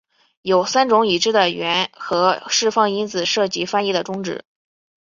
有三种已知的原核释放因子涉及翻译的终止。